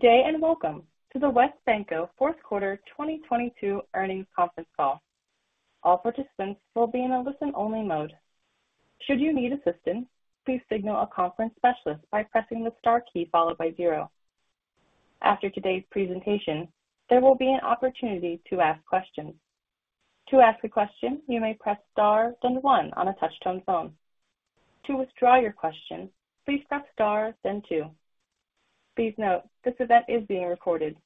Good day, welcome to the WesBanco Q4 2022 Earnings Conference Call. All participants will be in a listen-only mode. Should you need assistance, please signal a conference specialist by pressing the Star key followed by zero. After today's presentation, there will be an opportunity to ask questions. To ask a question, you may press Star then one on a touch-tone phone. To withdraw your question, please press Star then two. Please note this event is being recorded.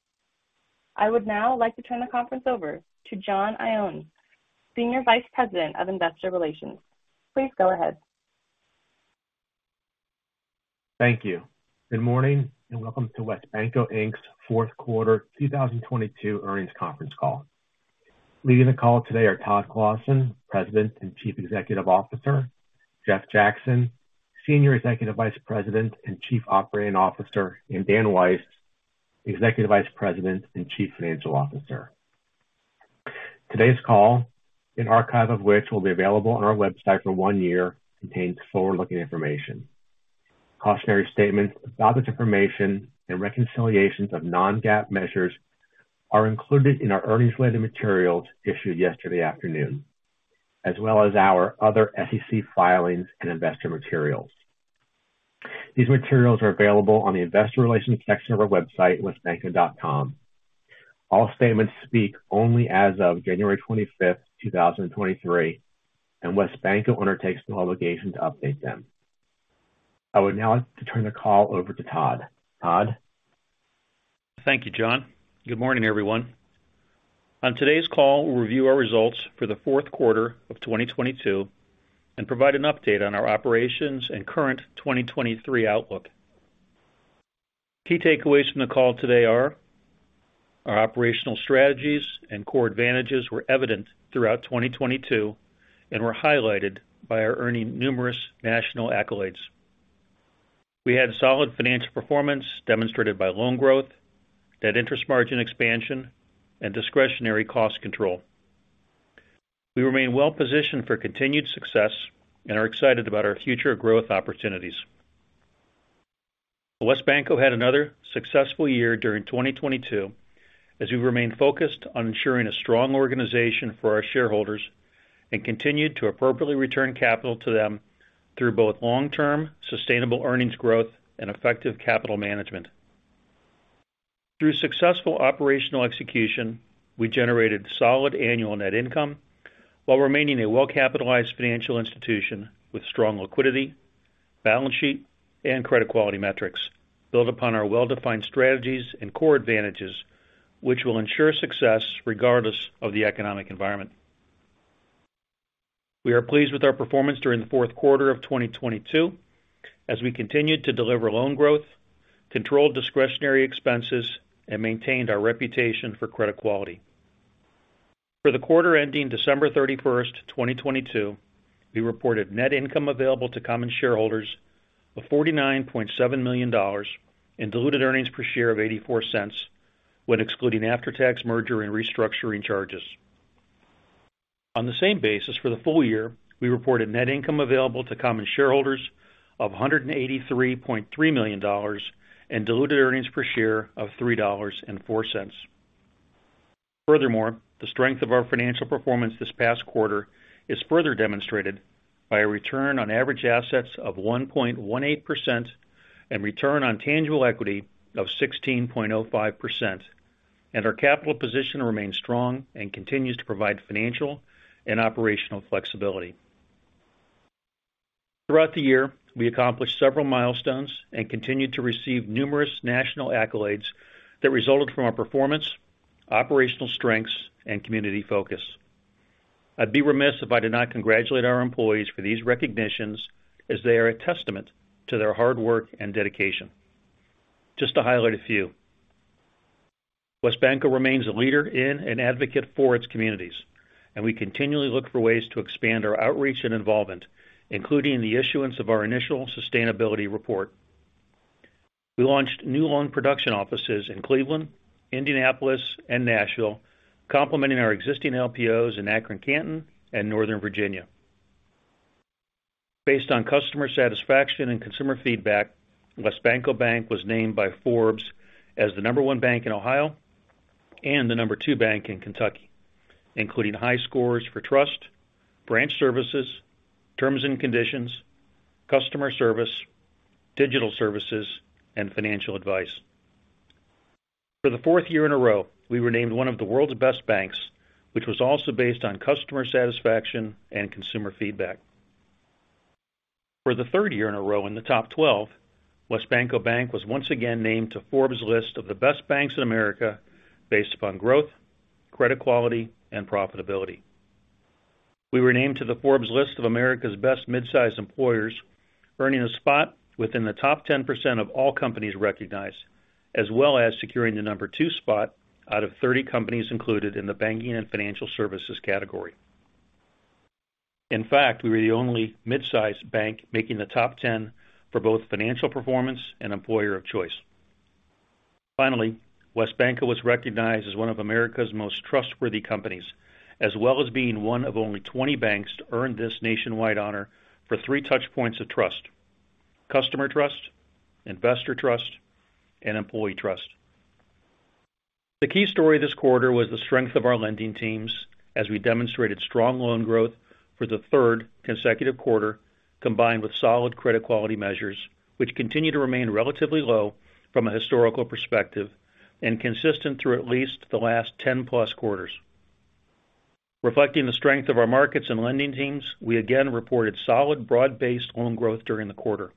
I would now like to turn the conference over to John Iannone, Senior Vice President of Investor Relations. Please go ahead. Thank you. Good morning and welcome to WesBanco Inc.'s Q4 2022 Earnings Conference Call. Leading the call today are Todd Clossin, President and Chief Executive Officer, Jeff Jackson, Senior Executive Vice President and Chief Operating Officer, and Dan Weiss, Executive Vice President and Chief Financial Officer. Today's call, an archive of which will be available on our website for one year, contains forward-looking information. Cautionary statements about this information and reconciliations of non-GAAP measures are included in our earnings-related materials issued yesterday afternoon, as well as our other SEC filings and investor materials. These materials are available on the investor relations section of our website, wesbanco.com. All statements speak only as of 25 January, 2023, and WesBanco undertakes no obligation to update them. I would now like to turn the call over to Todd. Todd. Thank you, John. Good morning, everyone. On today's call, we'll review our results for the Q4 of 2022 and provide an update on our operations and current 2023 outlook. Key takeaways from the call today are our operational strategies and core advantages were evident throughout 2022 and were highlighted by our earning numerous national accolades. We had solid financial performance demonstrated by loan growth, net interest margin expansion, and discretionary cost control. We remain well positioned for continued success and are excited about our future growth opportunities. WesBanco had another successful year during 2022 as we remained focused on ensuring a strong organization for our shareholders and continued to appropriately return capital to them through both long-term sustainable earnings growth and effective capital management. Through successful operational execution, we generated solid annual net income while remaining a well-capitalized financial institution with strong liquidity, balance sheet and credit quality metrics built upon our well-defined strategies and core advantages which will ensure success regardless of the economic environment. We are pleased with our performance during the Q4 of 2022 as we continued to deliver loan growth, controlled discretionary expenses and maintained our reputation for credit quality. For the quarter ending 31 December, 2022, we reported net income available to common shareholders of $49.7 million and diluted earnings per share of $0.84 when excluding after-tax merger and restructuring charges. On the same basis for the full year, we reported net income available to common shareholders of $183.3 million and diluted earnings per share of $3.04. The strength of our financial performance this past quarter is further demonstrated by a return on average assets of 1.18% and return on tangible equity of 16.05%. Our capital position remains strong and continues to provide financial and operational flexibility. Throughout the year, we accomplished several milestones. Continued to receive numerous national accolades that resulted from our performance, operational strengths and community focus. I'd be remiss if I did not congratulate our employees for these recognitions as they are a testament to their hard work and dedication. Just to highlight a few. WesBanco remains a leader in and advocate for its communities. We continually look for ways to expand our outreach and involvement, including the issuance of our initial sustainability report. We launched new loan production offices in Cleveland, Indianapolis and Nashville, complementing our existing LPOs in Akron, Canton and Northern Virginia. Based on customer satisfaction and consumer feedback, WesBanco Bank was named by Forbes as the one bank in Ohio and the two bank in Kentucky, including high scores for trust, branch services, terms and conditions, customer service, digital services and financial advice. For the fourth year in a row, we were named one of the World's Best Banks, which was also based on customer satisfaction and consumer feedback. For the third year in a row in the top 12, WesBanco Bank was once again named to Forbes list of the Best Banks in America based upon growth, credit quality and profitability. We were named to the Forbes list of America's Best Mid-Size Employers, earning a spot within the top 10% of all companies recognized, as well as securing the number two spot out of 30 companies included in the banking and financial services category. In fact, we were the only mid-sized bank making the top 10 for both financial performance and employer of choice. Finally, WesBanco was recognized as one of America's Most Trustworthy Companies, as well as being one of only 20 banks to earn this nationwide honor for three touch points of trust: customer trust, investor trust, and employee trust. The key story this quarter was the strength of our lending teams as we demonstrated strong loan growth for the third consecutive quarter, combined with solid credit quality measures, which continue to remain relatively low from a historical perspective and consistent through at least the last 10+ quarters. Reflecting the strength of our markets and lending teams, we again reported solid, broad-based loan growth during the quarter.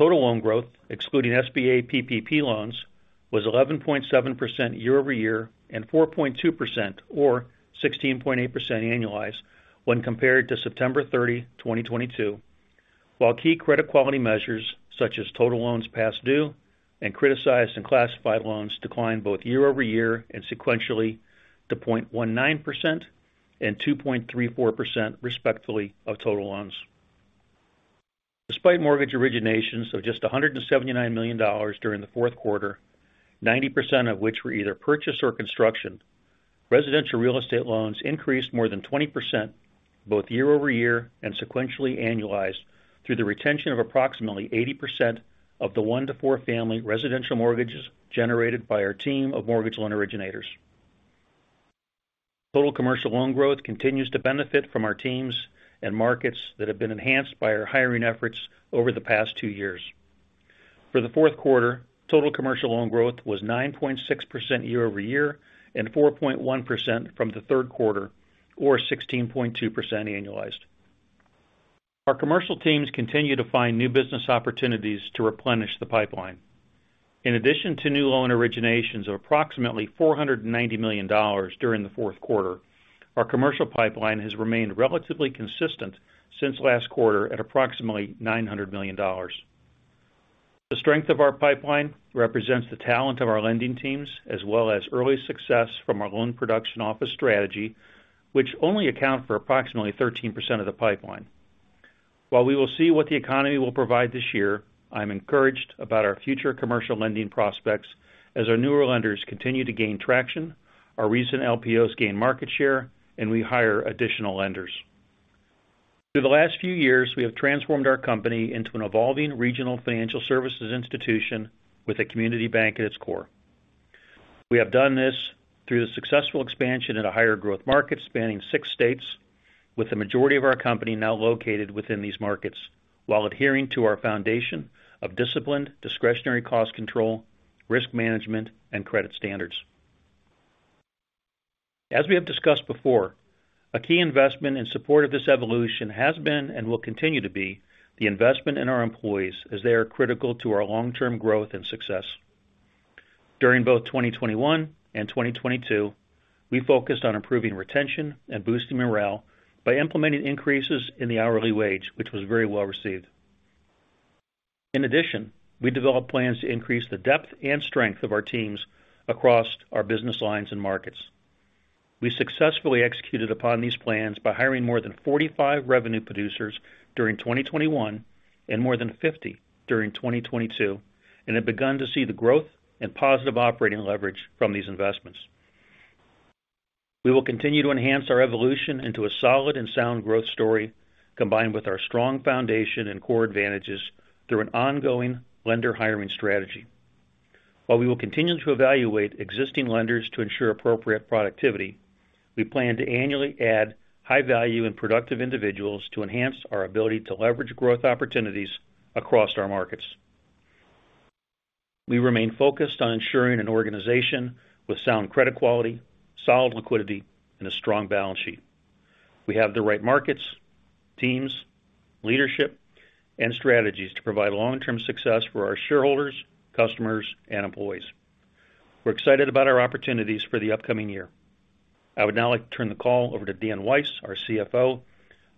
Total loan growth, excluding SBA PPP loans, was 11.7% year-over-year and 4.2% or 16.8% annualized when compared to September 30, 2022. While key credit quality measures such as total loans past due and criticized and classified loans declined both year-over-year and sequentially to 0.19% and 2.34%, respectively, of total loans. Despite mortgage originations of just $179 million during the Q4, 90% of which were either purchase or construction, residential real estate loans increased more than 20% both year-over-year and sequentially annualized through the retention of approximately 80% of the 1-to-4 family residential mortgages generated by our team of mortgage loan originators. Total commercial loan growth continues to benefit from our teams and markets that have been enhanced by our hiring efforts over the past two years. For the Q4, total commercial loan growth was 9.6% year-over-year and 4.1% from the Q3, or 16.2% annualized. Our commercial teams continue to find new business opportunities to replenish the pipeline. In addition to new loan originations of approximately $490 million during the Q4, our commercial pipeline has remained relatively consistent since last quarter at approximately $900 million. The strength of our pipeline represents the talent of our lending teams as well as early success from our loan production office strategy, which only account for approximately 13% of the pipeline. While we will see what the economy will provide this year, I'm encouraged about our future commercial lending prospects as our newer lenders continue to gain traction, our recent LPOs gain market share, and we hire additional lenders. Through the last few years, we have transformed our company into an evolving regional financial services institution with a community bank at its core. We have done this through the successful expansion in a higher growth market spanning six states, with the majority of our company now located within these markets while adhering to our foundation of disciplined discretionary cost control, risk management, and credit standards. As we have discussed before, a key investment in support of this evolution has been and will continue to be the investment in our employees as they are critical to our long-term growth and success. During both 2021 and 2022, we focused on improving retention and boosting morale by implementing increases in the hourly wage, which was very well received. In addition, we developed plans to increase the depth and strength of our teams across our business lines and markets. We successfully executed upon these plans by hiring more than 45 revenue producers during 2021 and more than 50 during 2022 and have begun to see the growth and positive operating leverage from these investments. We will continue to enhance our evolution into a solid and sound growth story combined with our strong foundation and core advantages through an ongoing lender hiring strategy. While we will continue to evaluate existing lenders to ensure appropriate productivity, we plan to annually add high value and productive individuals to enhance our ability to leverage growth opportunities across our markets. We remain focused on ensuring an organization with sound credit quality, solid liquidity, and a strong balance sheet. We have the right markets, teams, leadership, and strategies to provide long-term success for our shareholders, customers, and employees. We're excited about our opportunities for the upcoming year. I would now like to turn the call over to Dan Weiss, our CFO,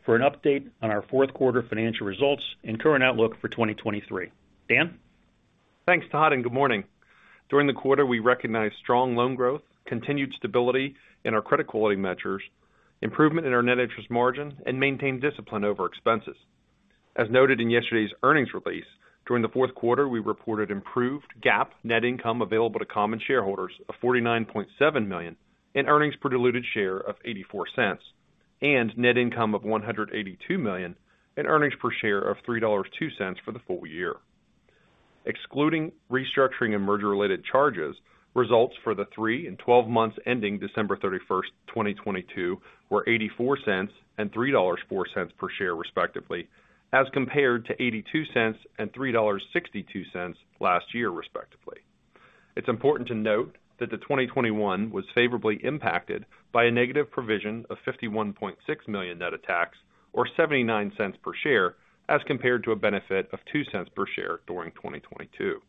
for an update on our Q4 Financial Results and Current Outlook for 2023. Dan? Thanks, Todd. Good morning. During the quarter, we recognized strong loan growth, continued stability in our credit quality measures, improvement in our net interest margin, and maintained discipline over expenses. As noted in yesterday's earnings release, during the Q4, we reported improved GAAP net income available to common shareholders of $49.7 million and earnings per diluted share of $0.84 and net income of $182 million and earnings per share of $3.02 for the full year. Excluding restructuring and merger-related charges, results for the three and 12 months ending 31 December, 2022 were $0.84 and $3.04 per share, respectively, as compared to $0.82 and $3.62 last year, respectively. It's important to note that the 2021 was favorably impacted by a negative provision of $51.6 million net of tax, or $0.79 per share, as compared to a benefit of $0.02 per share during 2022.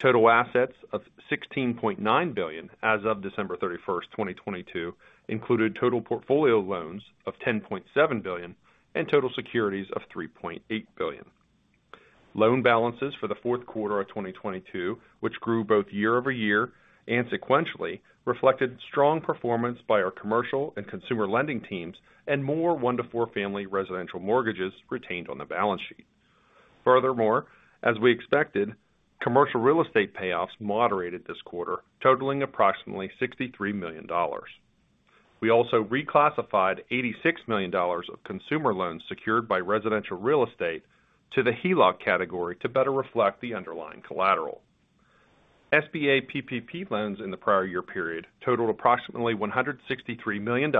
Total assets of $16.9 billion as of 31 December, 2022 included total portfolio loans of $10.7 billion and total securities of $3.8 billion. Loan balances for the Q4 of 2022, which grew both year-over-year and sequentially, reflected strong performance by our commercial and consumer lending teams and more one to four family residential mortgages retained on the balance sheet. As we expected, commercial real estate payoffs moderated this quarter, totalling approximately $63 million. We also reclassified $86 million of consumer loans secured by residential real estate to the HELOC category to better reflect the underlying collateral. SBA PPP loans in the prior year period totalled approximately $163 million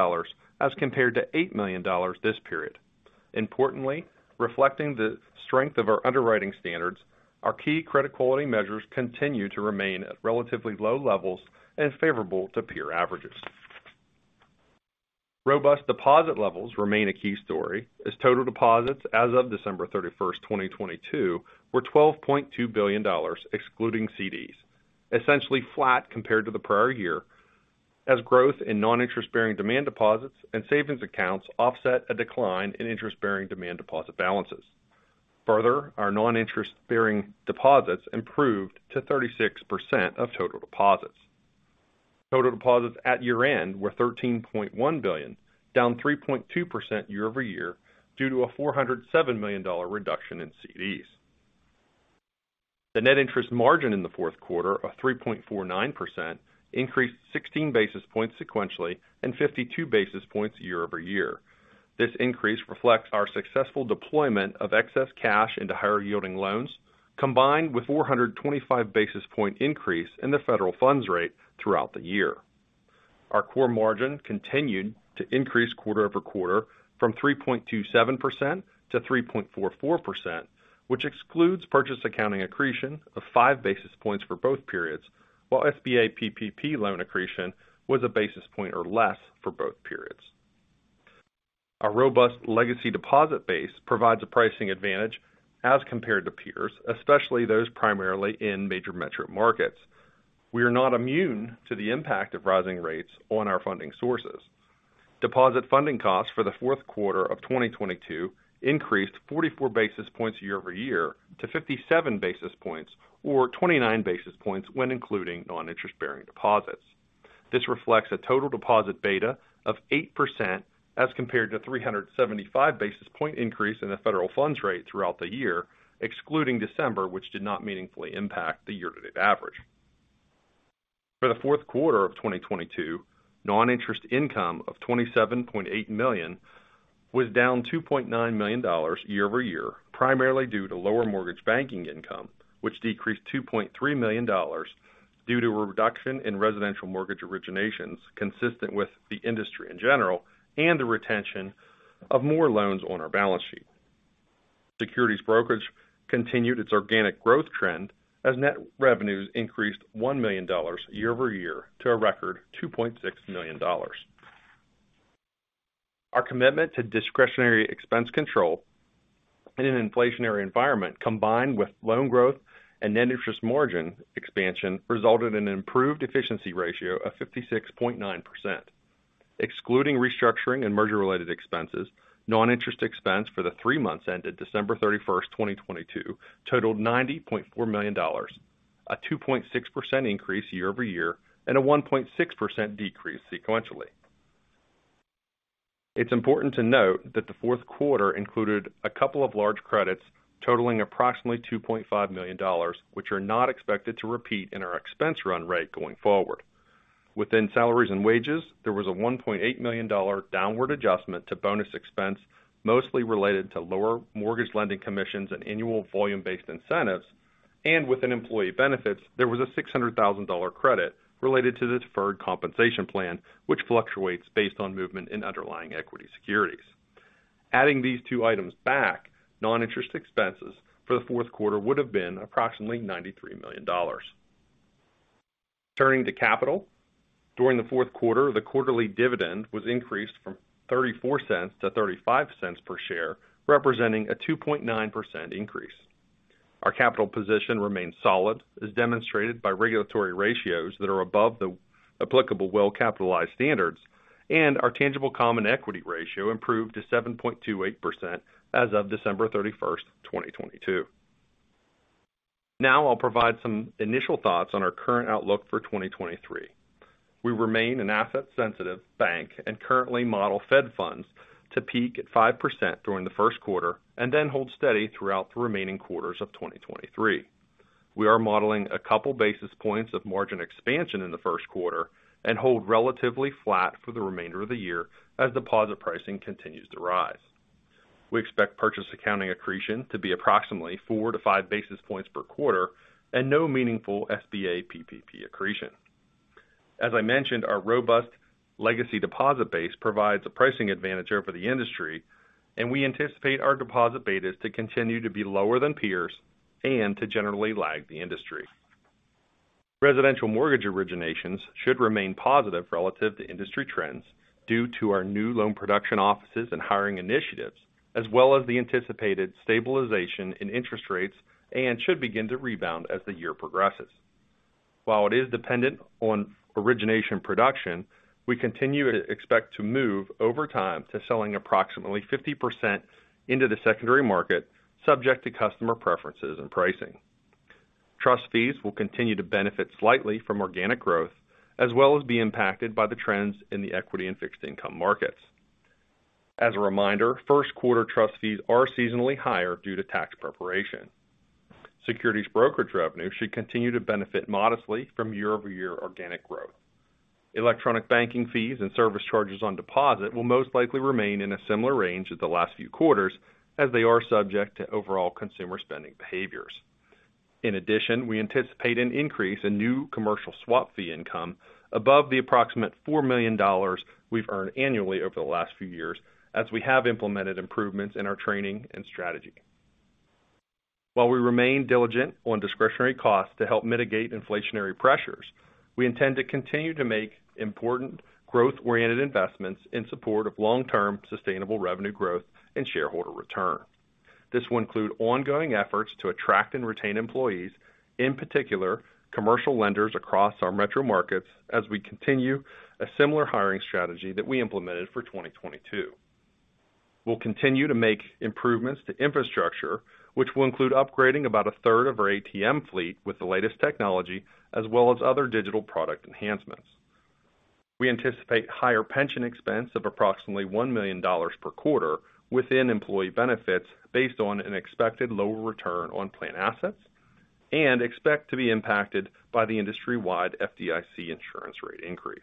as compared to $8 million this period. Importantly, reflecting the strength of our underwriting standards, our key credit quality measures continue to remain at relatively low levels and favorable to peer averages. Robust deposit levels remain a key story as total deposits as of 31 December, 2022 were $12.2 billion, excluding CDs, essentially flat compared to the prior year, as growth in non-interest-bearing demand deposits and savings accounts offset a decline in interest-bearing demand deposit balances. Further, our non-interest-bearing deposits improved to 36% of total deposits. Total deposits at year-end were $13.1 billion, down 3.2% year-over-year due to a $407 million reduction in CDs. The net interest margin in the Q4 of 3.49% increased 16 basis points sequentially and 52 basis points year-over-year. This increase reflects our successful deployment of excess cash into higher yielding loans, combined with 425 basis point increase in the federal funds rate throughout the year. Our core margin continued to increase quarter-over-quarter from 3.27% to 3.44%, which excludes purchase accounting accretion of 5 basis points for both periods, while SBA PPP loan accretion was 1 basis point or less for both periods. A robust legacy deposit base provides a pricing advantage as compared to peers, especially those primarily in major metro markets. We are not immune to the impact of rising rates on our funding sources. Deposit funding costs for the Q4 of 2022 increased 44 basis points year-over-year to 57 basis points, or 29 basis points when including non-interest-bearing deposits. This reflects a total deposit beta of 8% as compared to 375 basis point increase in the federal funds rate throughout the year, excluding December, which did not meaningfully impact the year-to-date average. For the Q4 of 2022, non-interest income of $27.8 million was down $2.9 million year-over-year, primarily due to lower mortgage banking income, which decreased $2.3 million due to a reduction in residential mortgage originations consistent with the industry in general and the retention of more loans on our balance sheet. Securities brokerage continued its organic growth trend as net revenues increased $1 million year-over-year to a record $2.6 million. Our commitment to discretionary expense control in an inflationary environment, combined with loan growth and net interest margin expansion, resulted in an improved efficiency ratio of 56.9%. Excluding restructuring and merger-related expenses, non-interest expense for the three months ended December 31, 2022 totaled $90.4 million, a 2.6% increase year-over-year and a 1.6% decrease sequentially. It's important to note that the fourth quarter included a couple of large credits totaling approximately $2.5 million, which are not expected to repeat in our expense run rate going forward. Within salaries and wages, there was a $1.8 million downward adjustment to bonus expense, mostly related to lower mortgage lending commissions and annual volume-based incentives. Within employee benefits, there was a $600,000 credit related to the deferred compensation plan, which fluctuates based on movement in underlying equity securities. Adding these two items back, non-interest expenses for the Q4 would have been approximately $93 million. Turning to capital. During the Q4, the quarterly dividend was increased from $0.34 to $0.35 per share, representing a 2.9% increase. Our capital position remains solid, as demonstrated by regulatory ratios that are above the applicable well-capitalized standards, our tangible common equity ratio improved to 7.28% as of 31 December, 2022. I'll provide some initial thoughts on our current outlook for 2023. We remain an asset-sensitive bank and currently model Fed funds to peak at 5% during the Q1 and then hold steady throughout the remaining quarters of 2023. We are modelling a couple basis points of margin expansion in the Q1 and hold relatively flat for the remainder of the year as deposit pricing continues to rise. We expect purchase accounting accretion to be approximately 4-5 basis points per quarter and no meaningful SBA PPP accretion. As I mentioned, our robust legacy deposit base provides a pricing advantage over the industry, and we anticipate our deposit betas to continue to be lower than peers and to generally lag the industry. Residential mortgage originations should remain positive relative to industry trends due to our new loan production offices and hiring initiatives, as well as the anticipated stabilization in interest rates and should begin to rebound as the year progresses. While it is dependent on origination production, we continue to expect to move over time to selling approximately 50% into the secondary market, subject to customer preferences and pricing. Trust fees will continue to benefit slightly from organic growth, as well as be impacted by the trends in the equity and fixed income markets. As a reminder, Q1 trust fees are seasonally higher due to tax preparation. Securities brokerage revenue should continue to benefit modestly from year-over-year organic growth. Electronic banking fees and service charges on deposit will most likely remain in a similar range as the last few quarters as they are subject to overall consumer spending behaviors. In addition, we anticipate an increase in new commercial swap fee income above the approximate $4 million we've earned annually over the last few years as we have implemented improvements in our training and strategy. While we remain diligent on discretionary costs to help mitigate inflationary pressures, we intend to continue to make important growth-oriented investments in support of long-term sustainable revenue growth and shareholder return. This will include ongoing efforts to attract and retain employees, in particular commercial lenders across our metro markets as we continue a similar hiring strategy that we implemented for 2022. We'll continue to make improvements to infrastructure, which will include upgrading about a third of our ATM fleet with the latest technology as well as other digital product enhancements. We anticipate higher pension expense of approximately $1 million per quarter within employee benefits based on an expected lower return on plan assets and expect to be impacted by the industry-wide FDIC insurance rate increase.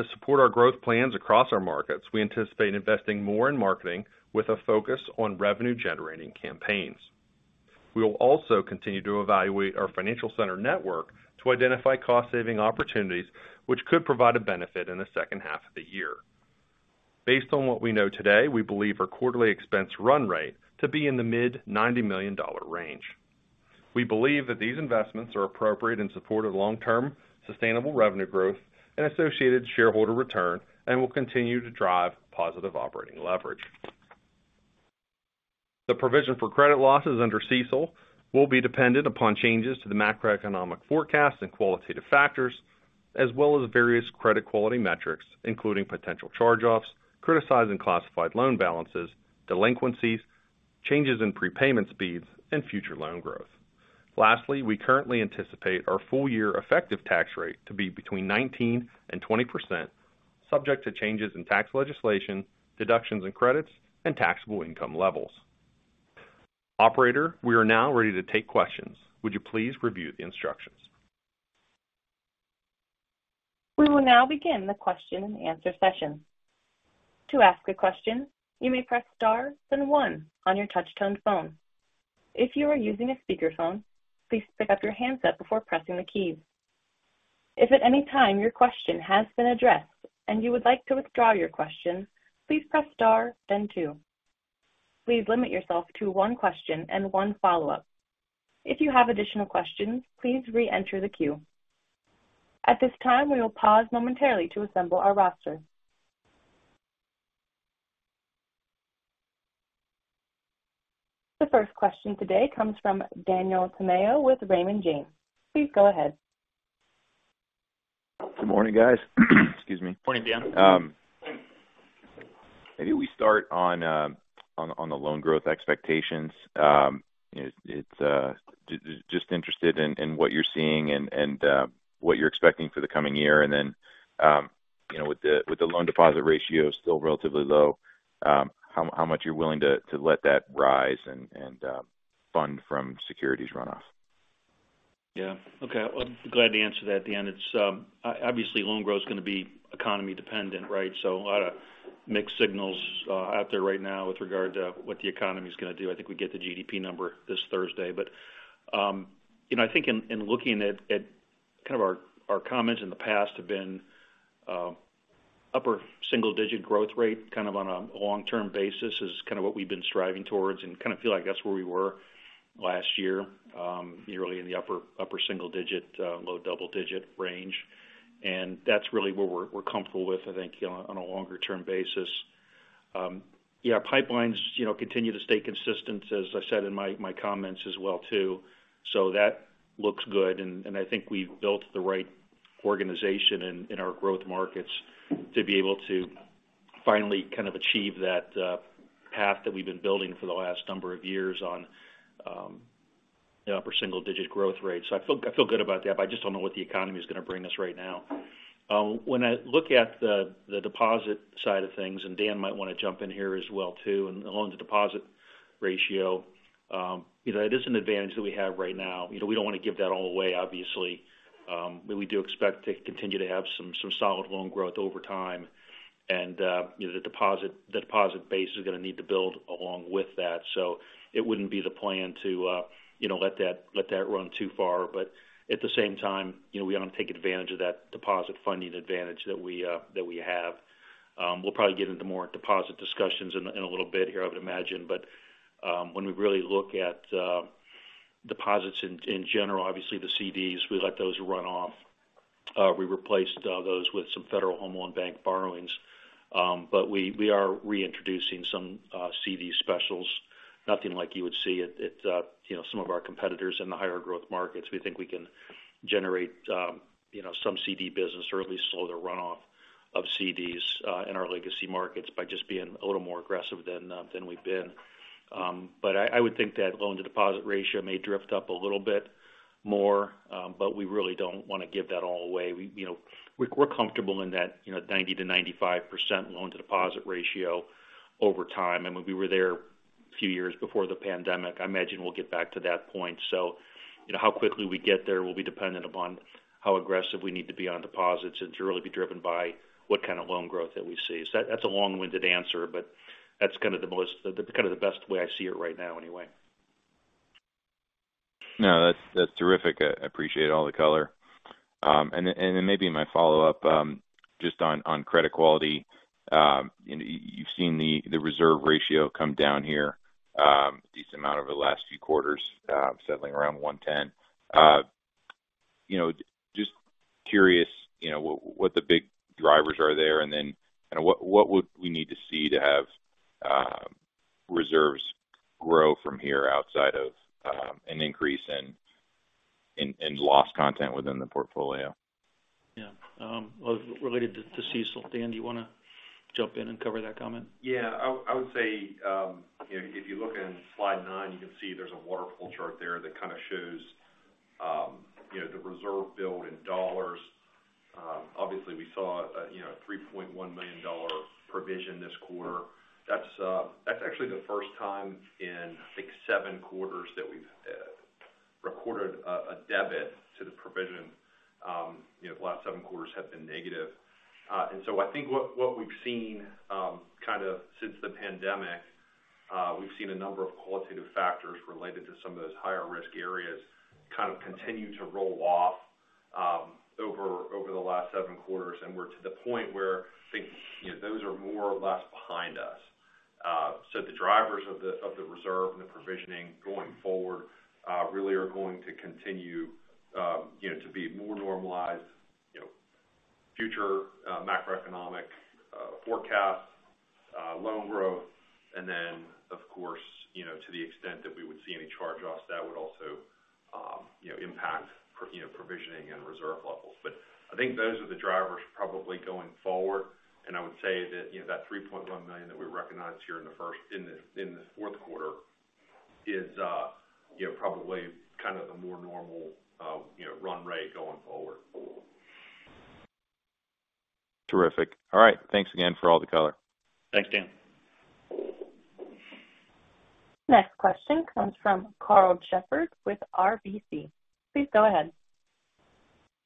To support our growth plans across our markets, we anticipate investing more in marketing with a focus on revenue-generating campaigns. We will also continue to evaluate our financial center network to identify cost-saving opportunities which could provide a benefit in the H2 of the year. Based on what we know today, we believe our quarterly expense run rate to be in the mid $90 million range. We believe that these investments are appropriate in support of long-term sustainable revenue growth and associated shareholder return and will continue to drive positive operating leverage. The provision for credit losses under CECL will be dependent upon changes to the macroeconomic forecast and qualitative factors, as well as various credit quality metrics, including potential charge-offs, criticizing classified loan balances, delinquencies, changes in prepayment speeds, and future loan growth. Lastly, we currently anticipate our full year effective tax rate to be between 19% and 20% subject to changes in tax legislation, deductions and credits, and taxable income levels. Operator, we are now ready to take questions. Would you please review the instructions? We will now begin the question and answer session. To ask a question, you may press Star then 1 on your touch-tone phone. If you are using a speakerphone, please pick up your handset before pressing the keys. If at any time your question has been addressed and you would like to withdraw your question, please press Star then two. Please limit yourself to one question and one follow-up. If you have additional questions, please re-enter the queue. At this time, we will pause momentarily to assemble our roster. The first question today comes from Daniel Tamayo with Raymond James. Please go ahead. Good morning, guys. Excuse me. Morning, Dan. Maybe we start on the loan growth expectations. You know, it's just interested in what you're seeing and what you're expecting for the coming year. You know, with the loan deposit ratio still relatively low, how much you're willing to let that rise and fund from securities runoff? Okay. Well, glad to answer that, Dan. It's obviously loan growth is going to be economy dependent, right? A lot of mixed signals out there right now with regard to what the economy is going to do. I think we get the GDP number this Thursday. You know, I think in looking at kind of our comments in the past have been upper single-digit growth rate, kind of on a long-term basis is kind of what we've been striving towards and kind of feel like that's where we were last year, yearly in the upper single-digit, low double-digit range. That's really what we're comfortable with, I think, you know, on a longer-term basis. Yeah, pipelines, you know, continue to stay consistent, as I said in my comments as well, too. That looks good. I think we've built the right organization in our growth markets to be able to finally kind of achieve that path that we've been building for the last number of years on, you know, upper single digit growth rates. I feel good about that, but I just don't know what the economy is going to bring us right now. When I look at the deposit side of things, and Dan might want to jump in here as well, too, and the loan to deposit ratio, you know, it is an advantage that we have right now. You know, we don't want to give that all away, obviously. We do expect to continue to have some solid loan growth over time. You know, the deposit base is going to need to build along with that. It wouldn't be the plan to, you know, let that run too far. At the same time, you know, we want to take advantage of that deposit funding advantage that we have. We'll probably get into more deposit discussions in a little bit here, I would imagine. When we really look at deposits in general, obviously the CDs, we let those run off. We replaced those with some Federal Home Loan Bank borrowings. We are reintroducing some CD specials. Nothing like you would see at, you know, some of our competitors in the higher growth markets. We think we can generate, you know, some CD business or at least slow the runoff. Of CDs in our legacy markets by just being a little more aggressive than we've been. I would think that loan to deposit ratio may drift up a little bit more, but we really don't wanna give that all away. We, you know, we're comfortable in that, you know, 90%-95% loan to deposit ratio over time. I mean, we were there a few years before the pandemic. I imagine we'll get back to that point. You know, how quickly we get there will be dependent upon how aggressive we need to be on deposits and to really be driven by what kind of loan growth that we see. That's a long-winded answer, but that's kind of the kind of the best way I see it right now anyway. No, that's terrific. I appreciate all the color. Then, maybe my follow-up, just on credit quality. You've seen the reserve ratio come down here a decent amount over the last few quarters, settling around 1.10. You know, just curious, you know, what the big drivers are there, and then kind of what would we need to see to have reserves grow from here outside of an increase in loss content within the portfolio? Yeah. related to CECL. Dan, do you wanna jump in and cover that comment? Yeah. I would say, you know, if you look in slide nine, you can see there's a waterfall chart there that kind of shows, you know, the reserve build in dollars. Obviously we saw, you know, a $3.1 million provision this quarter. That's actually the first time in, I think, seven quarters that we've recorded a debit to the provision. You know, the last seven quarters have been negative. I think what we've seen kind of since the pandemic, we've seen a number of qualitative factors related to some of those higher risk areas kind of continue to roll off over the last seven quarters. We're to the point where I think, you know, those are more or less behind us. The drivers of the, of the reserve and the provisioning going forward, really are going to continue, you know, to be more normalized, you know, future macroeconomic forecast, loan growth. Then, of course, you know, to the extent that we would see any charge-offs, that would also, you know, impact, you know, provisioning and reserve levels. I think those are the drivers probably going forward. I would say that, you know, that $3.1 million that we recognized here in the Q4 is, you know, probably kind of a more normal, you know, run rate going forward. Terrific. All right. Thanks again for all the color. Thanks, Dan. Next question comes from Karl Shepherd with RBC. Please go ahead.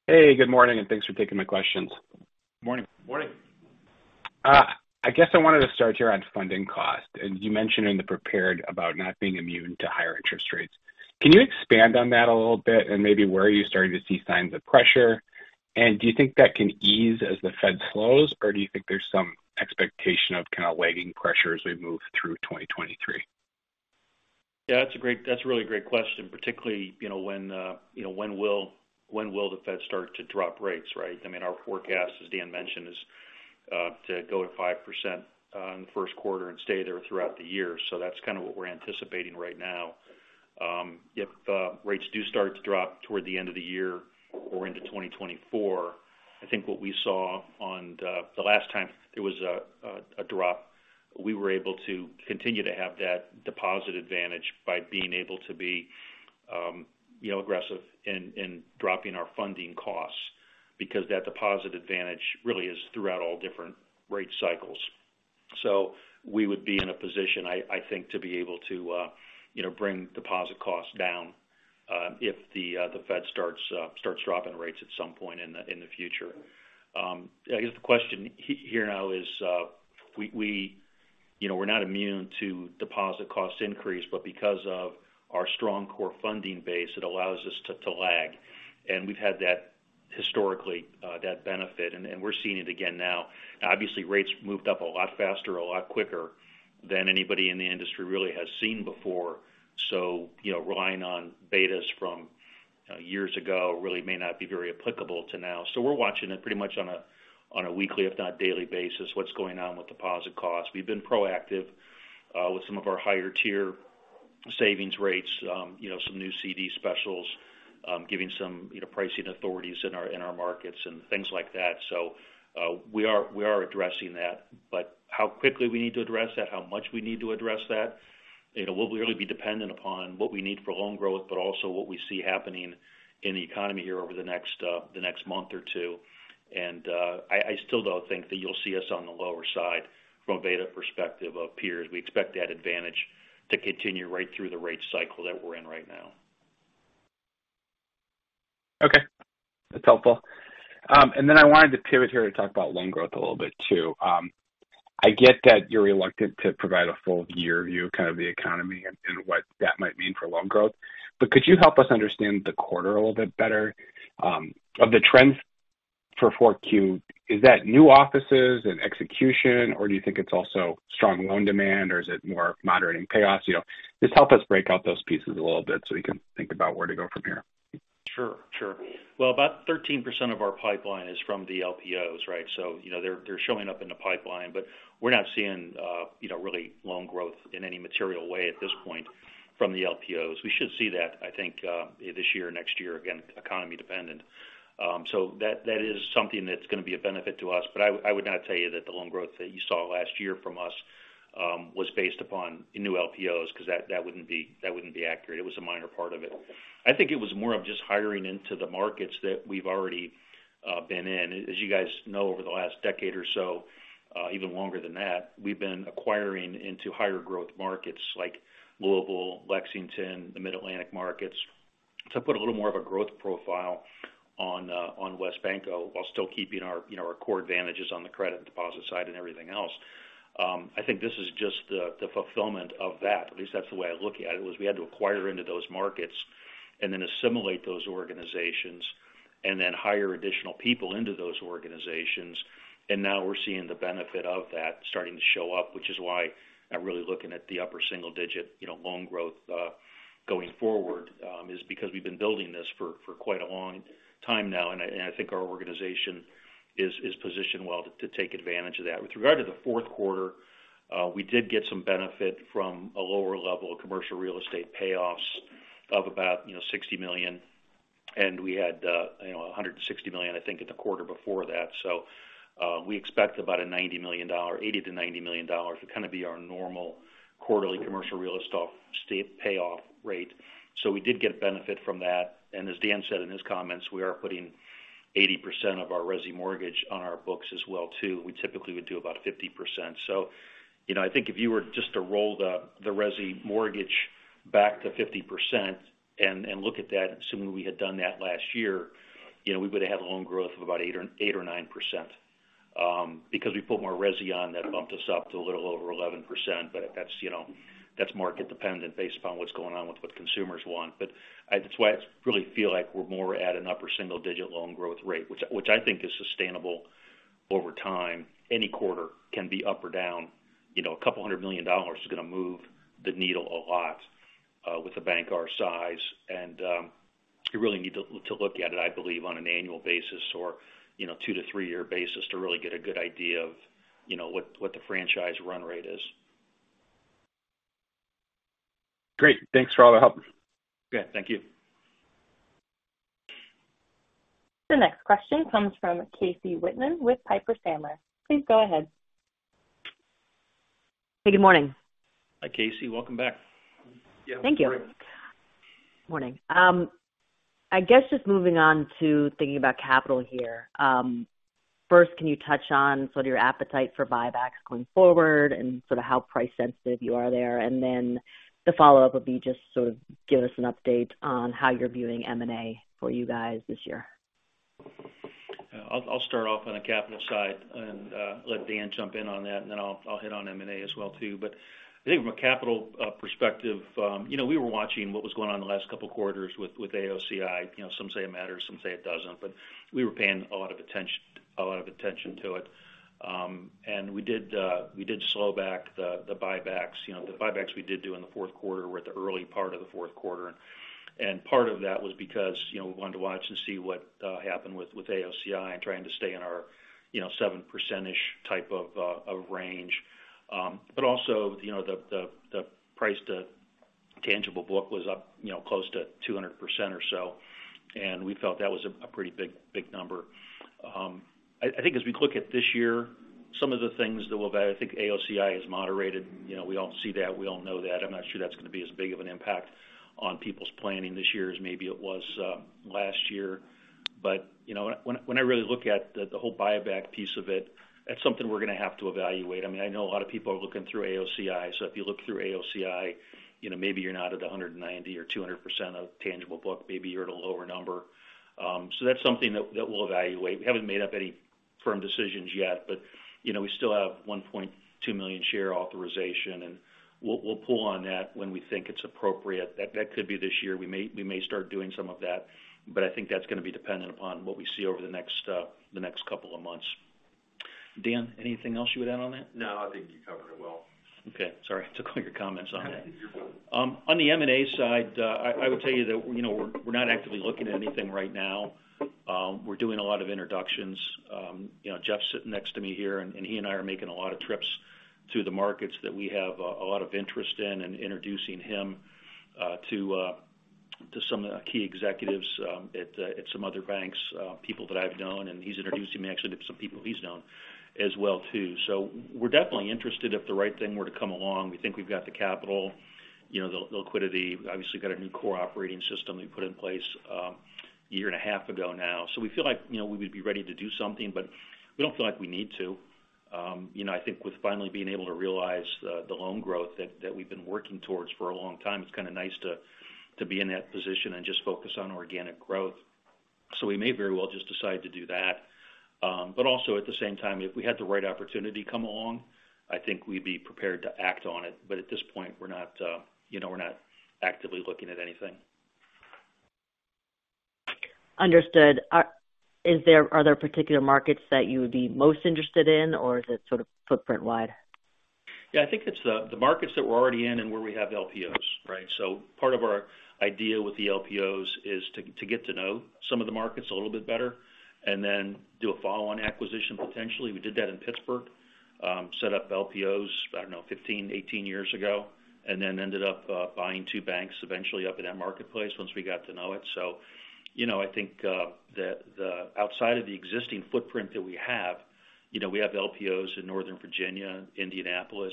Hey, good morning, and thanks for taking my questions. Morning. Morning. I guess I wanted to start here on funding costs. You mentioned in the prepared about not being immune to higher interest rates. Can you expand on that a little bit and maybe where are you starting to see signs of pressure? Do you think that can ease as the Fed slows, or do you think there's some expectation of kind of lagging pressure as we move through 2023? Yeah, that's a really great question, particularly, you know, when, you know, when will the Fed start to drop rates, right? I mean, our forecast, as Dan mentioned, is to go to 5% in the Q1 and stay there throughout the year. That's kind of what we're anticipating right now. If rates do start to drop toward the end of the year or into 2024, I think what we saw on the last time there was a drop, we were able to continue to have that deposit advantage by being able to be, you know, aggressive in dropping our funding costs because that deposit advantage really is throughout all different rate cycles. We would be in a position, I think, to be able to, you know, bring deposit costs down, if the Fed starts dropping rates at some point in the future. I guess the question here now is, we, you know, we're not immune to deposit cost increase, but because of our strong core funding base, it allows us to lag. We've had that historically, that benefit, and we're seeing it again now. Obviously, rates moved up a lot faster, a lot quicker than anybody in the industry really has seen before. You know, relying on betas from years ago really may not be very applicable to now. We're watching it pretty much on a weekly, if not daily basis, what's going on with deposit costs. We've been proactive with some of our higher tier savings rates, you know, some new CD specials, giving some, you know, pricing authorities in our markets and things like that. We are addressing that. How quickly we need to address that, how much we need to address that, we'll really be dependent upon what we need for loan growth, but also what we see happening in the economy here over the next month or two. I still don't think that you'll see us on the lower side from a beta perspective of peers. We expect that advantage to continue right through the rate cycle that we're in right now. Okay. That's helpful. I wanted to pivot here to talk about loan growth a little bit too. I get that you're reluctant to provide a full year view of kind of the economy and what that might mean for loan growth. Could you help us understand the quarter a little bit better? Of the trends for 4Q, is that new offices and execution, or do you think it's also strong loan demand, or is it more moderating payoffs? You know, just help us break out those pieces a little bit so we can think about where to go from here. Sure, sure. Well, about 13% of our pipeline is from the LPOs, right? You know, they're showing up in the pipeline, but we're not seeing, you know, really loan growth in any material way at this point. From the LPOs. We should see that, I think, this year, next year, again, economy dependent. That is something that's gonna be a benefit to us. I would not tell you that the loan growth that you saw last year from us was based upon new LPOs because that wouldn't be accurate. It was a minor part of it. I think it was more of just hiring into the markets that we've already been in. As you guys know, over the last decade or so, even longer than that, we've been acquiring into higher growth markets like Louisville, Lexington, the Mid-Atlantic markets, to put a little more of a growth profile on WesBanco while still keeping our, you know, our core advantages on the credit deposit side and everything else. I think this is just the fulfillment of that. At least that's the way I look at it, was we had to acquire into those markets and then assimilate those organizations and then hire additional people into those organizations. Now we're seeing the benefit of that starting to show up, which is why I'm really looking at the upper single digit, you know, loan growth going forward, is because we've been building this for quite a long time now, and I think our organization is positioned well to take advantage of that. With regard to the Q4, we did get some benefit from a lower level of commercial real estate payoffs of about, you know, $60 million. We had, you know, $160 million, I think, at the quarter before that. We expect about a $90 million, $80 million-$90 million to kind of be our normal quarterly commercial real estate payoff rate. We did get benefit from that. As Dan Weiss said in his comments, we are putting 80% of our resi mortgage on our books as well too. We typically would do about 50%. You know, I think if you were just to roll the resi mortgage back to 50% and look at that, assuming we had done that last year, you know, we would've had loan growth of about 8% or 9%. Because we put more resi on that bumped us up to a little over 11%. That's, you know, that's market dependent based upon what's going on with what consumers want. That's why I really feel like we're more at an upper single digit loan growth rate, which I think is sustainable over time. Any quarter can be up or down, you know, a couple hundred million dollars is gonna move the needle a lot with a bank our size. You really need to look at it, I believe, on an annual basis or, you know, 2-3 year basis to really get a good idea of, you know, what the franchise run rate is. Great. Thanks for all the help. Okay. Thank you. The next question comes from Casey Whitman with Piper Sandler. Please go ahead. Good morning. Hi, Casey. Welcome back. Yeah. Thank you. Morning. I guess just moving on to thinking about capital here. First, can you touch on sort of your appetite for buybacks going forward and sort of how price sensitive you are there? The follow-up would be just sort of give us an update on how you're viewing M&A for you guys this year. Yeah. I'll start off on the capital side and let Dan jump in on that, and then I'll hit on M&A as well too. I think from a capital perspective, you know, we were watching what was going on in the last couple of quarters with AOCI. You know, some say it matters, some say it doesn't. We were paying a lot of attention to it. We did slow back the buybacks. You know, the buybacks we did do in the Q4 were at the early part of the Q4. Part of that was because, you know, we wanted to watch and see what happened with AOCI and trying to stay in our, you know, 7% type of range. Also, you know, the price to tangible book was up, you know, close to 200% or so, and we felt that was a pretty big number. I think as we look at this year, some of the things that I think AOCI has moderated. You know, we all see that. We all know that. I'm not sure that's gonna be as big of an impact on people's planning this year as maybe it was last year. You know, when I really look at the whole buyback piece of it, that's something we're gonna have to evaluate. I mean, I know a lot of people are looking through AOCI. If you look through AOCI, you know, maybe you're not at 190% or 200% of tangible book, maybe you're at a lower number. That's something that we'll evaluate. We haven't made up any firm decisions yet, but, you know, we still have $1.2 million share authorization, and we'll pull on that when we think it's appropriate. That could be this year. We may start doing some of that, but I think that's gonna be dependent upon what we see over the next couple of months. Dan, anything else you would add on that? No, I think you covered it well. Okay. Sorry. I took all your comments on that. You're good. On the M&A side, I would tell you that, you know, we're not actively looking at anything right now. We're doing a lot of introductions. You know, Jeff's sitting next to me here, and he and I are making a lot of trips to the markets that we have a lot of interest in and introducing him to some key executives at some other banks, people that I've known, and he's introducing me actually to some people he's known as well too. We're definitely interested if the right thing were to come along. We think we've got the capital, you know, the liquidity. Obviously, we've got a new core operating system we put in place a year and a half ago now. We feel like, you know, we would be ready to do something, but we don't feel like we need to. You know, I think with finally being able to realize the loan growth that we've been working towards for a long time, it's kind of nice to be in that position and just focus on organic growth. We may very well just decide to do that. Also at the same time, if we had the right opportunity come along, I think we'd be prepared to act on it. At this point, we're not, you know, we're not actively looking at anything. Understood. Are there particular markets that you would be most interested in, or is it sort of footprint wide? Yeah. I think it's the markets that we're already in and where we have LPOs, right? Part of our idea with the LPOs is to get to know some of the markets a little bit better and then do a follow-on acquisition potentially. We did that in Pittsburgh, set up LPOs, I don't know, 15, 18 years ago, and then ended up buying two banks eventually up in that marketplace once we got to know it. You know, I think, the outside of the existing footprint that we have, you know, we have LPOs in Northern Virginia, Indianapolis,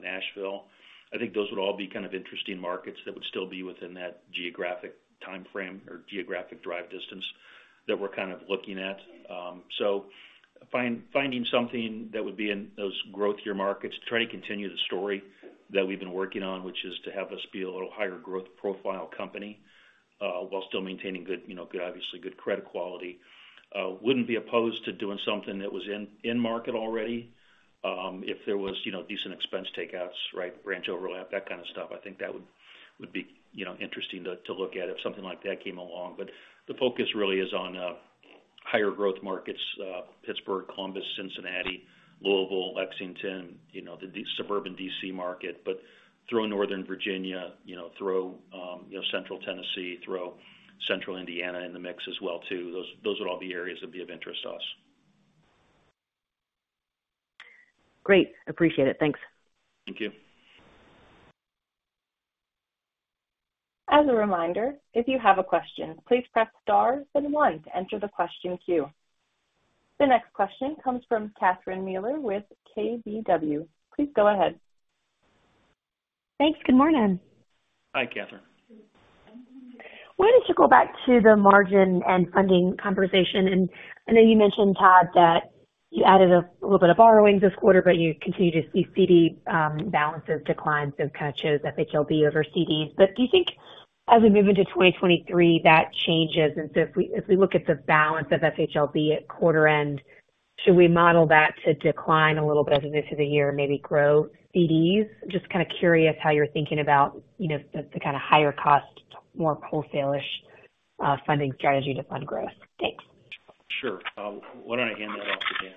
Nashville. I think those would all be kind of interesting markets that would still be within that geographic timeframe or geographic drive distance that we're kind of looking at. Finding something that would be in those growth year markets to try to continue the story that we've been working on, which is to have us be a little higher growth profile company, while still maintaining good, you know, good, obviously, good credit quality. Wouldn't be opposed to doing something that was in market already. If there was, you know, decent expense takeouts, right, branch overlap, that kind of stuff, I think that would be, you know, interesting to look at if something like that came along. The focus really is on higher growth markets, Pittsburgh, Columbus, Cincinnati, Louisville, Lexington, you know, the suburban D.C. market, but throw Northern Virginia, you know, throw, you know, Central Tennessee, throw Central Indiana in the mix as well too. Those would all be areas that be of interest to us. Great. Appreciate it. Thanks. Thank you. As a reminder, if you have a question, please press star then one to enter the question queue. The next question comes from Catherine Mealor with KBW. Please go ahead. Thanks. Good morning. Hi, Catherine. Wanted to go back to the margin and funding conversation. I know you mentioned, Todd, that you added a little bit of borrowing this quarter, but you continue to see CD balances decline. It kind of shows FHLB over CDs. Do you think as we move into 2023, that changes? If we, if we look at the balance of FHLB at quarter end, should we model that to decline a little bit as we get through the year and maybe grow CDs? Just kind of curious how you're thinking about, you know, the kind of higher cost, more wholesale-ish funding strategy to fund growth. Thanks. Sure. Why don't I hand that off to Dan?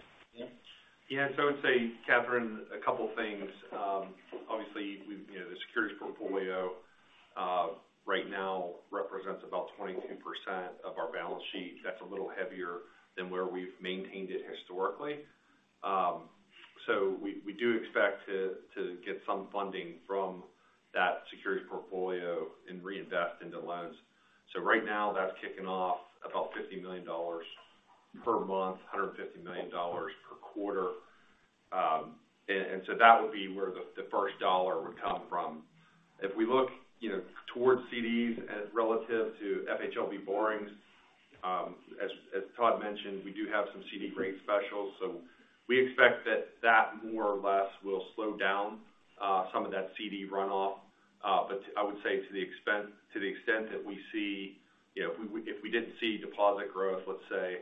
I would say, Kathryn, a couple things. Obviously, we've, you know, the securities portfolio right now represents about 22% of our balance sheet. That's a little heavier than where we've maintained it historically. We do expect to get some funding from that security portfolio and reinvest into loans. Right now, that's kicking off about $50 million per month, $150 million per quarter. And so that would be where the first dollar would come from. If we look, you know, towards CDs and relative to FHLB borrowings, as Todd mentioned, we do have some CD rate specials. We expect that that more or less will slow down some of that CD runoff. I would say to the extent that we see, you know, if we, if we did see deposit growth, let's say,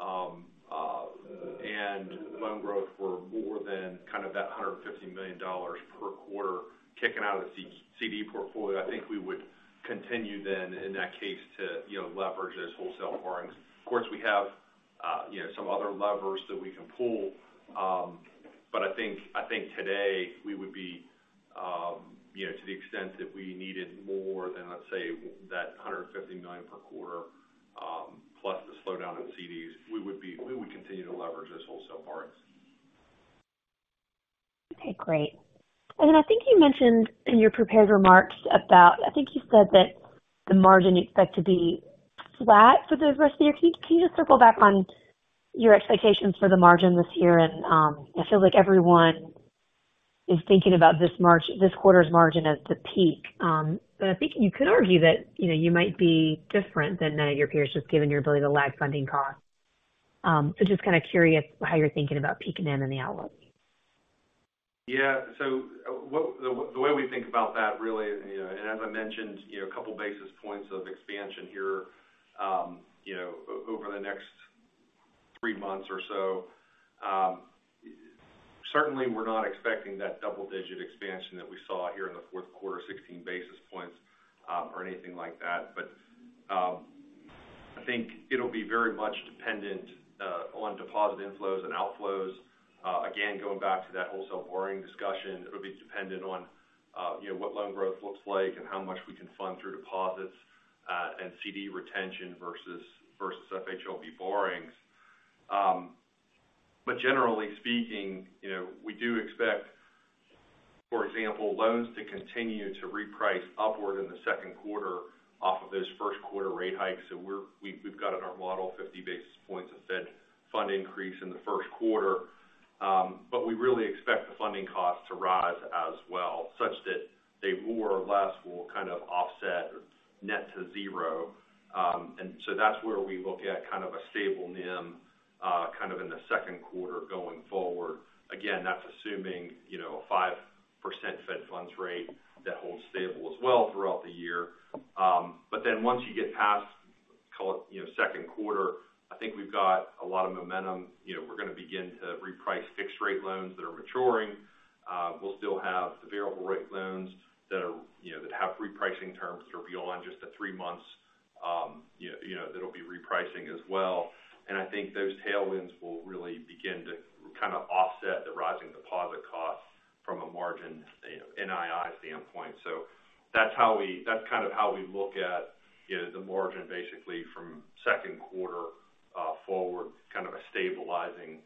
and loan growth for more than kind of that $150 million per quarter kicking out of the CD portfolio, I think we would continue then in that case to, you know, leverage those wholesale borrowings. Of course, we have, you know, some other levers that we can pull. I think, I think today we would be, you know, to the extent that we needed more than, let's say that $150 million per quarter, plus the slowdown of CDs, we would continue to leverage those wholesale borrowings. Okay, great. I think you mentioned in your prepared remarks about, I think you said that the margin you expect to be flat for the rest of the year. Can you just circle back on your expectations for the margin this year? I feel like everyone is thinking about this quarter's margin as the peak. I'm thinking you could argue that, you know, you might be different than your peers, just given your ability to lag funding costs. Just kind of curious how you're thinking about peaking in on the outlook? The way we think about that really, you know, and as I mentioned, you know, a couple basis points of expansion here, over the next three months or so. Certainly we're not expecting that double-digit expansion that we saw here in the Q4, 16 basis points, or anything like that. I think it'll be very much dependent on deposit inflows and outflows. Again, going back to that wholesale borrowing discussion, it'll be dependent on, you know, what loan growth looks like and how much we can fund through deposits, and CD retention versus FHLB borrowings. Generally speaking, you know, we do expect, for example, loans to continue to reprice upward in the Q2 off of those Q1 rate hikes. We've got in our model 50 basis points of Fed fund increase in the Q1. We really expect the funding costs to rise as well, such that they more or less will kind of offset net to zero. That's where we look at kind of a stable NIM, kind of in the Q2 going forward. Again, that's assuming, you know, a 5% Fed funds rate that holds stable as well throughout the year. Once you get past, call it, you know, Q2, I think we've got a lot of momentum. You know, we're gonna begin to reprice fixed rate loans that are maturing. We'll still have the variable rate loans that are, you know, that have repricing terms that are beyond just the three months, you know, you know, that'll be repricing as well. I think those tailwinds will really begin to kind of offset the rising deposit costs from a margin, you know, NII standpoint. That's kind of how we look at, you know, the margin basically from Q2 forward, kind of a stabilizing.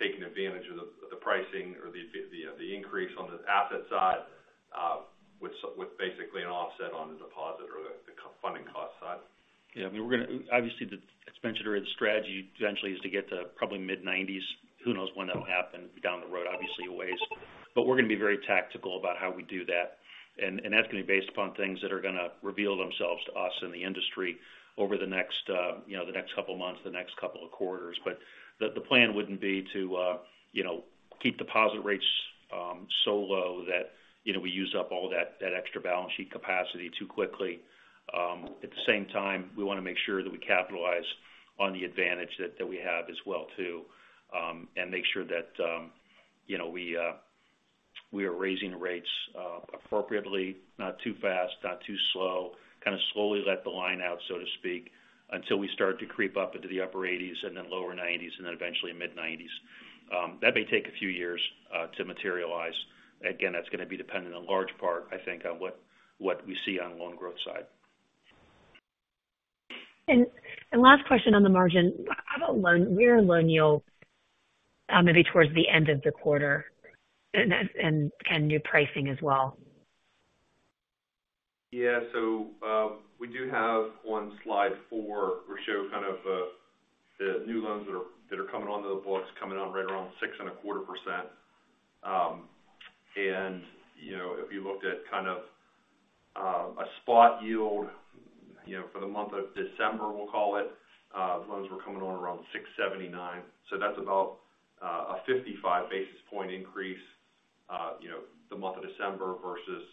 Taking advantage of the pricing or the increase on the asset side, with basically an offset on the deposit or the funding cost side. Obviously, the expenditure and strategy eventually is to get to probably mid-90s. Who knows when that'll happen down the road, obviously ways. We're gonna be very tactical about how we do that. That's gonna be based upon things that are gonna reveal themselves to us in the industry over the next, you know, the next couple of months, the next couple of quarters. The plan wouldn't be to, you know, keep deposit rates so low that, you know, we use up all that extra balance sheet capacity too quickly. At the same time, we wanna make sure that we capitalize on the advantage that we have as well too, and make sure that, you know, we are raising rates appropriately, not too fast, not too slow, kinda slowly let the line out, so to speak, until we start to creep up into the upper 80s and then lower 90s and then eventually mid-90s. That may take a few years to materialize. Again, that's gonna be dependent on large part, I think, on what we see on loan growth side. Last question on the margin. How about loan, rear loan yield, maybe towards the end of the quarter and new pricing as well? Yeah. We do have on slide 4, we show kind of, the new loans that are coming onto the books, coming on right around 6.25%. You know, if you looked at kind of, a spot yield, you know, for the month of December, we'll call it, loans were coming on around 6.79%. That's about a 55 basis point increase, you know, the month of December versus,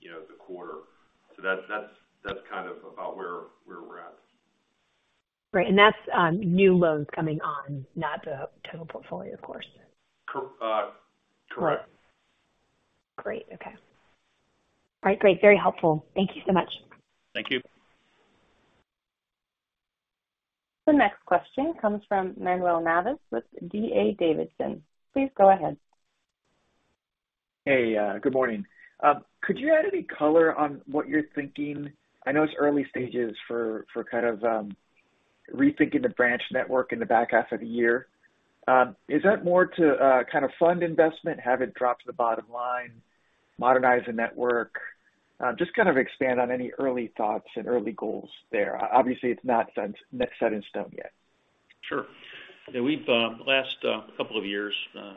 you know, the quarter. That's kind of about where we're at. Right. That's new loans coming on, not the total portfolio, of course. Correct. Great. Okay. All right, great. Very helpful. Thank you so much. Thank you. The next question comes from Manuel Navas with D.A. Davidson. Please go ahead. Hey, good morning. Could you add any color on what you're thinking? I know it's early stages for kind of rethinking the branch network in the back half of the year. Is that more to kind of fund investment, have it drop to the bottom line, modernize the network? Just kind of expand on any early thoughts and early goals there. Obviously, it's not set in stone yet. Sure. You know, we've last couple of years,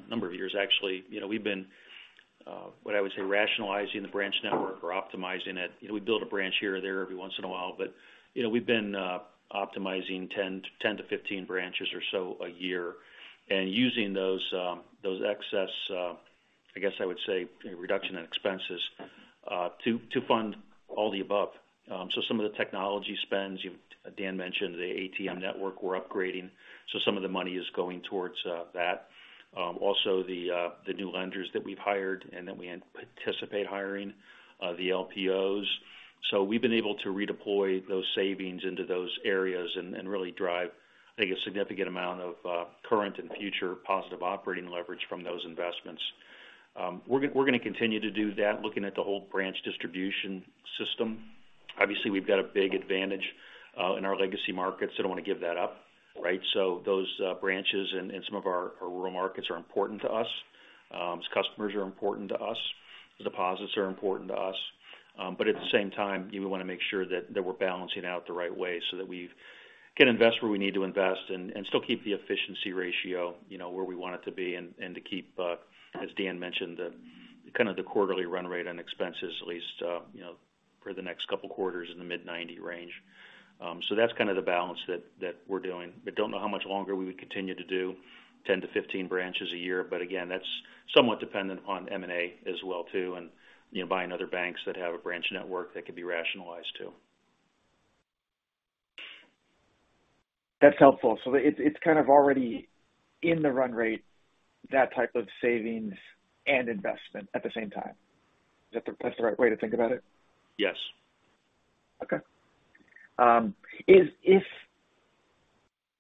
number of years, actually, you know, we've been what I would say, rationalizing the branch network or optimizing it. You know, we build a branch here or there every once in a while, but, you know, we've been optimizing 10 to 15 branches or so a year and using those excess, I guess I would say, reduction in expenses to fund all the above. Some of the technology spends, Dan mentioned the ATM network we're upgrading. Some of the money is going towards that. Also the new lenders that we've hired and that we anticipate hiring, the LPOs. We've been able to redeploy those savings into those areas and really drive, I think, a significant amount of current and future positive operating leverage from those investments. We're gonna continue to do that, looking at the whole branch distribution system. Obviously, we've got a big advantage in our legacy markets. I don't want to give that up, right? Those branches and some of our rural markets are important to us. Those customers are important to us. The deposits are important to us. At the same time, we wanna make sure that we're balancing out the right way so that we can invest where we need to invest and still keep the efficiency ratio, you know, where we want it to be and to keep, as Dan mentioned, the kind of the quarterly run rate on expenses, at least, you know, for the next couple quarters in the mid-90 range. That's kind of the balance that we're doing. I don't know how much longer we would continue to do 10-15 branches a year, but again, that's somewhat dependent on M&A as well, too, and, you know, buying other banks that have a branch network that could be rationalized, too. That's helpful. It's kind of already in the run rate, that type of savings and investment at the same time. Is that the best or right way to think about it? Yes.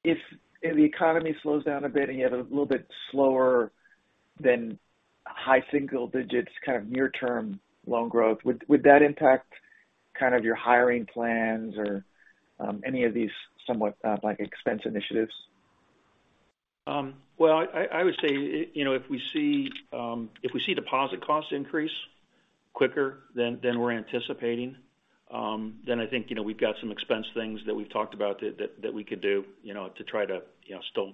If the economy slows down a bit and you have a little bit slower than high single digits, kind of near term loan growth, would that impact kind of your hiring plans or, any of these somewhat, like, expense initiatives? Well, I would say, you know, if we see deposit costs increase quicker than we're anticipating, then I think, you know, we've got some expense things that we've talked about that we could do, you know, to try to, you know, still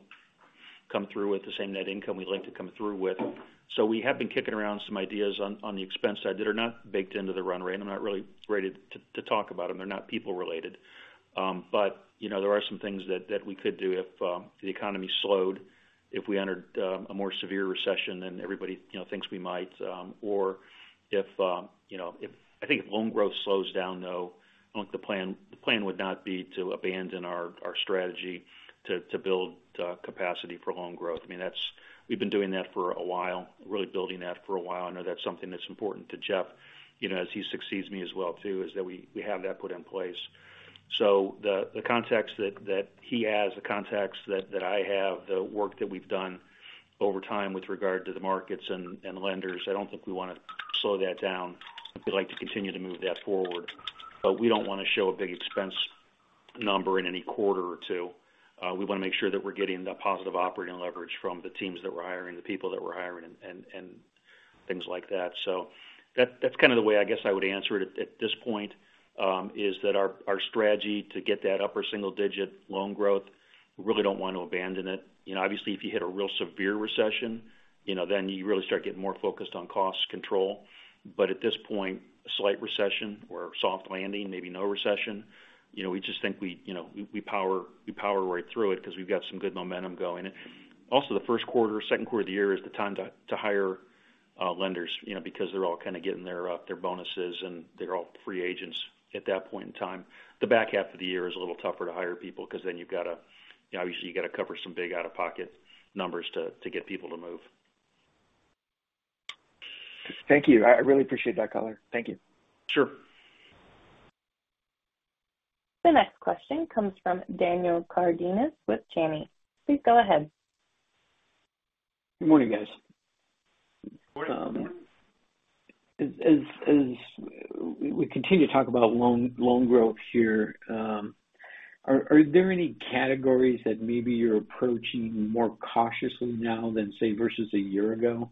come through with the same net income we'd like to come through with. We have been kicking around some ideas on the expense side that are not baked into the run rate, and I'm not really ready to talk about them. They're not people related. You know, there are some things that we could do if the economy slowed, if we entered a more severe recession than everybody, you know, thinks we might, if, you know, if... I think if loan growth slows down, though, I think the plan would not be to abandon our strategy to build capacity for loan growth. I mean, we've been doing that for a while, really building that for a while. I know that's something that's important to Jeff, you know, as he succeeds me as well too, is that we have that put in place. The context that he has, the context that I have, the work that we've done over time with regard to the markets and lenders, I don't think we wanna slow that down. We'd like to continue to move that forward, but we don't wanna show a big expense number in any quarter or two, we wanna make sure that we're getting the positive operating leverage from the teams that we're hiring, the people that we're hiring and things like that. That's kind of the way, I guess I would answer it at this point, is that our strategy to get that upper single digit loan growth, we really don't want to abandon it. You know, obviously, if you hit a real severe recession, you know, then you really start getting more focused on cost control. At this point, a slight recession or soft landing, maybe no recession, you know, we just think we, you know, we power right through it because we've got some good momentum going. The Q1, Q2 of the year is the time to hire lenders, you know, because they're all kind of getting their bonuses, and they're all free agents at that point in time. The back half of the year is a little tougher to hire people because then you've got to, you know, obviously you got to cover some big out-of-pocket numbers to get people to move. Thank you. I really appreciate that color. Thank you. Sure. The next question comes from Daniel Cardenas with Janney. Please go ahead. Good morning, guys. Good morning. As we continue to talk about loan growth here, are there any categories that maybe you're approaching more cautiously now than, say, versus a year ago?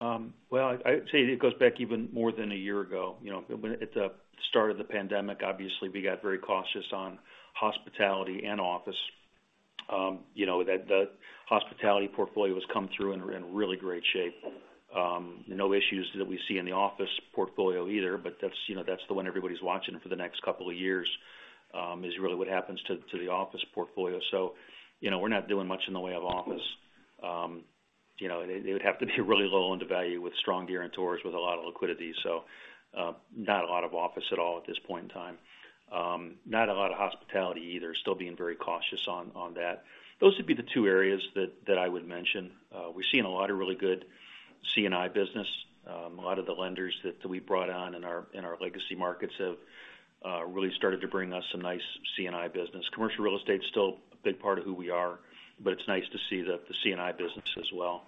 Well, I'd say it goes back even more than a year ago. At the start of the pandemic, obviously, we got very cautious on hospitality and office. You know, the hospitality portfolio has come through in really great shape. No issues that we see in the office portfolio either, but that's, you know, that's the one everybody's watching for the next couple of years, is really what happens to the office portfolio. You know, we're not doing much in the way of office. You know, they would have to be really low on the value with strong guarantors, with a lot of liquidity. Not a lot of office at all at this point in time. Not a lot of hospitality either. Still being very cautious on that. Those would be the two areas that I would mention. We've seen a lot of really good C&I business. A lot of the lenders that we brought on in our legacy markets have really started to bring us some nice C&I business. Commercial real estate is still a big part of who we are, but it's nice to see the C&I business as well.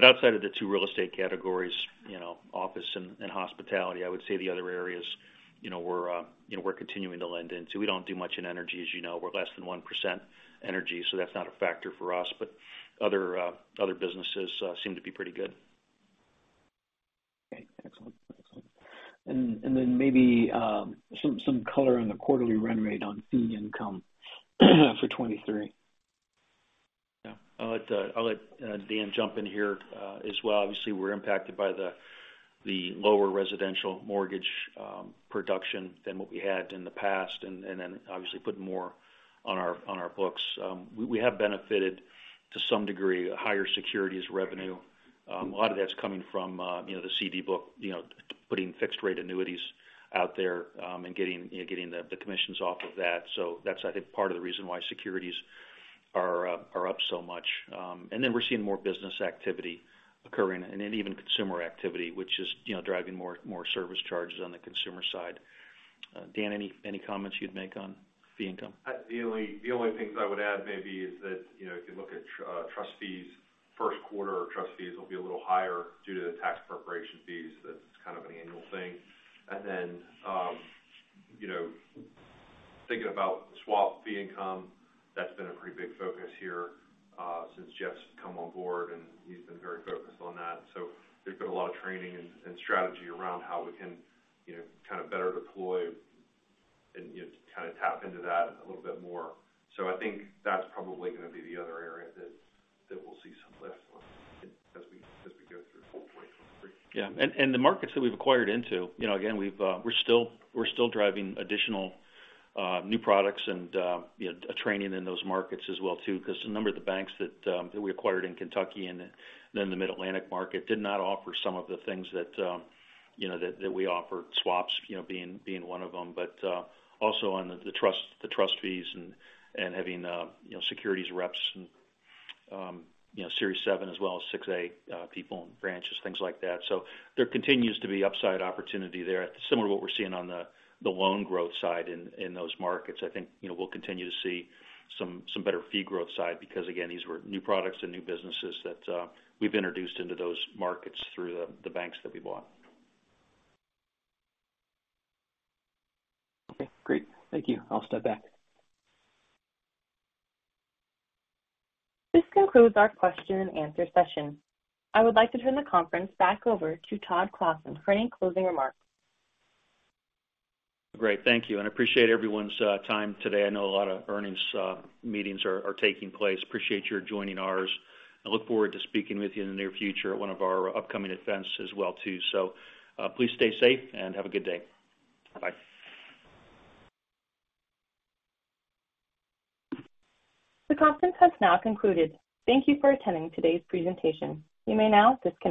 Outside of the two real estate categories, you know, office and hospitality, I would say the other areas, you know, we're continuing to lend into. We don't do much in energy, as you know. We're less than 1% energy, so that's not a factor for us. Other businesses seem to be pretty good. Okay, excellent. Then maybe, some color on the quarterly run rate on fee income for 2023. I'll let Dan jump in here as well. Obviously, we're impacted by the lower residential mortgage production than what we had in the past, obviously putting more on our books. We have benefited to some degree, higher securities revenue. A lot of that's coming from, you know, the CD book, you know, putting fixed rate annuities out there, and getting the commissions off of that. That's, I think, part of the reason why securities are up so much. We're seeing more business activity occurring and even consumer activity, which is, you know, driving more service charges on the consumer side. Dan, any comments you'd make on fee income? The only things I would add maybe is that, you know, if you look at trust fees, 1st quarter trust fees will be a little higher due to the tax preparation fees. That's kind of an annual thing. Then, you know, thinking about swap fee income, that's been a pretty big focus here since Jeff's come on board, and he's been very focused on that. We've put a lot of training and strategy around how we can, you know, kind of better deploy and, you know, kind of tap into that a little bit more. I think that's probably gonna be the other area that we'll see some lift on as we go through full 2023. Yeah. The markets that we've acquired into, you know, again, we've, we're still driving additional new products and, you know, training in those markets as well too, because a number of the banks that we acquired in Kentucky and in the Mid-Atlantic market did not offer some of the things that, you know, that we offer, swaps, you know, being one of them. Also on the trust, the trust fees and, having, you know, securities reps and, you know, Series 7 as well as Series 6 people and branches, things like that. There continues to be upside opportunity there, similar to what we're seeing on the loan growth side in those markets. I think, you know, we'll continue to see some better fee growth side because, again, these were new products and new businesses that we've introduced into those markets through the banks that we bought. Okay, great. Thank you. I'll step back. This concludes our question and answer session. I would like to turn the conference back over to Todd Clossin for any closing remarks. Great. Thank you. I appreciate everyone's time today. I know a lot of earnings meetings are taking place. Appreciate your joining ours. I look forward to speaking with you in the near future at one of our upcoming events as well too. Please stay safe and have a good day. Bye. The conference has now concluded. Thank you for attending today's presentation. You may now disconnect.